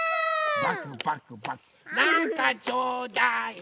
なんかちょうだい！